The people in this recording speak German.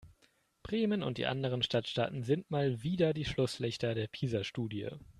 Bremen und die anderen Stadtstaaten sind mal wieder die Schlusslichter der PISA-Studie.